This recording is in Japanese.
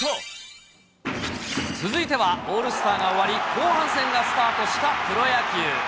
続いてはオールスターが終わり、後半戦がスタートしたプロ野球。